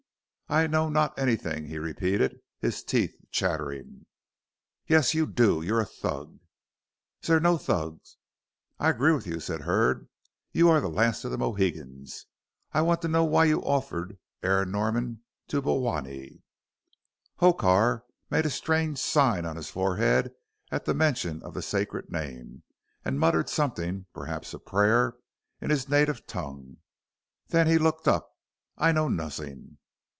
"I know not anysing," he repeated, his teeth chattering. "Yes, you do. You're a Thug." "Zer no Thug." "I agree with you," said Hurd; "you are the last of the Mohicans. I want to know why you offered Aaron Norman to Bhowanee?" Hokar made a strange sign on his forehead at the mention of the sacred name, and muttered something perhaps a prayer in his native tongue. Then he looked up. "I know nozzing."